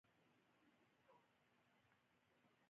په پای کې باید ووایم چې سږ کال به مثبتې پایلې وې.